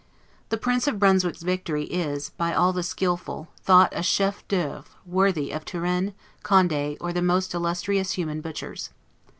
The Prince of Brunswick's victory is, by all the skillful, thought a 'chef d'oeuvre', worthy of Turenne, Conde, or the most illustrious human butchers.